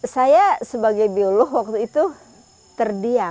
saya sebagai biolog waktu itu terdiam